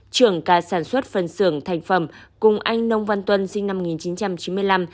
trưởng ca sản xuất phần xưởng thành phẩm cùng anh nông văn tuân sinh năm một nghìn chín trăm chín mươi năm